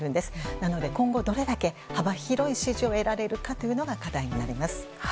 なので今後どれだけ幅広い支持を得られるかが課題になります。